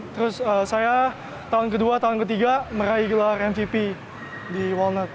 terus saya tahun kedua tahun ketiga meraih gelar mvp di wallnat